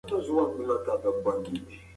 ښځې د کار بازار ته داخلې شوې.